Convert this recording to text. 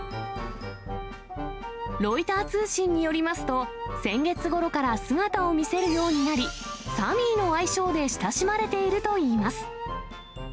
ロイター通信によりますと、先月ごろから姿を見せるようになり、サミーの愛称で親しまれているといいます。